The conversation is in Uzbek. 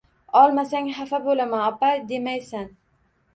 Olmasang xafa bo'laman, opa demaysan.